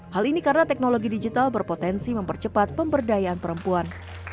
hal ini karena teknologi digital berpotensi mempercepat pemberdayaan perempuan